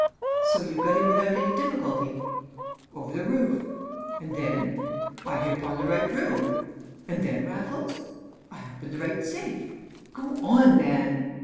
"So you got in without any difficulty?" "Over the roof." "And then?" "I hit upon the right room." "And then, Raffles?" "I opened the right safe." "Go on, man!"